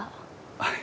はい。